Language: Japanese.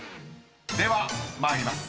［では参ります。